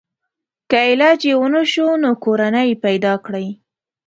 که علاج یې ونشو نو کورنۍ پیدا کړي.